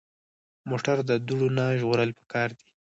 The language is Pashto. موټر د دوړو نه ژغورل پکار دي.